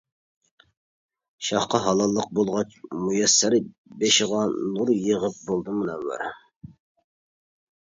شاھقا ھالاللىق بولغاچ مۇيەسسەر، بېشىغا نۇر يېغىپ بولدى مۇنەۋۋەر.